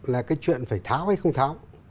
là cái chuyện phải tháo hay không tháo